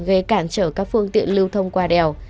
gây cản trở các phương tiện lưu thông qua đèo